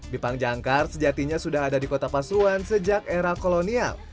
bipang jangkar sejatinya sudah ada di kota pasuruan sejak era kolonial